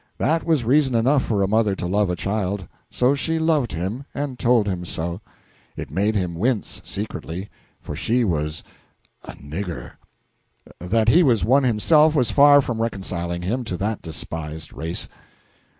That was reason enough for a mother to love a child; so she loved him, and told him so. It made him wince, secretly for she was a "nigger." That he was one himself was far from reconciling him to that despised race.